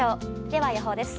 では予報です。